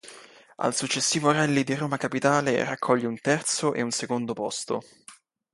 Al successivo Rally di Roma Capitale raccoglie un terzo e un secondo posto.